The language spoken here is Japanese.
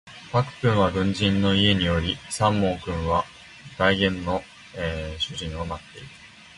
白君は軍人の家におり三毛君は代言の主人を持っている